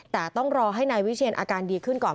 แต่ต้องรอให้นายวิเชียนอาการดีขึ้นก่อน